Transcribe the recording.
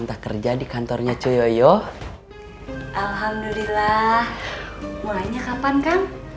febri jangan ngelawan sama bapak ya